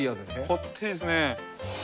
こってりですね。